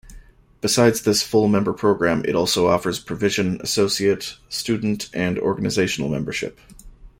Besides this Full Member program, it also offers Provision, Associate, Student and Organizational Membership.